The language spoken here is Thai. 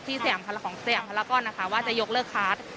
พี่แสงของแสงแล้วก็นะคะว่าจะยกเลิกคาร์ด